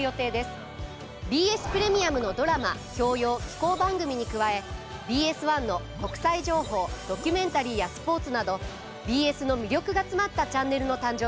ＢＳプレミアムのドラマ教養紀行番組に加えＢＳ１の国際情報ドキュメンタリーやスポーツなどＢＳの魅力が詰まったチャンネルの誕生です。